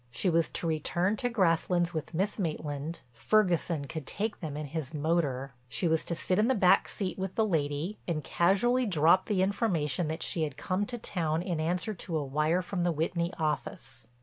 She was to return to Grasslands with Miss Maitland, Ferguson could take them in his motor. She was to sit in the back seat with the lady and casually drop the information that she had come to town in answer to a wire from the Whitney office.